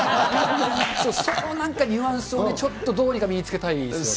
そう、なんかニュアンスをね、ちょっとどうにか身につけたいですよね。